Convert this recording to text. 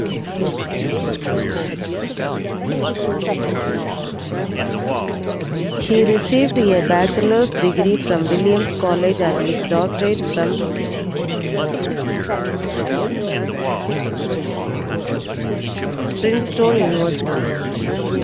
He received a bachelor's degree from Williams College, and his doctorate from Princeton University.